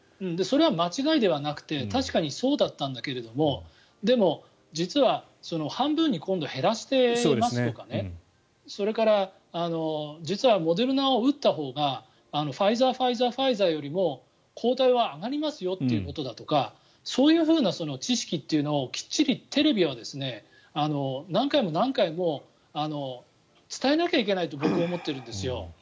それは間違いではなくて確かにそうだったんだけれどもでも、実は半分に今度減らしていますとかそれから実はモデルナを打ったほうがファイザー、ファイザーファイザーよりも抗体は上がりますよってことだとかそういうふうな知識というのをきっちりテレビで何回も何回も伝えなきゃいけないと僕は思っているんですよ。